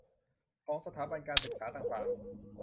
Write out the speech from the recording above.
ของสถาบันการศึกษาต่างต่าง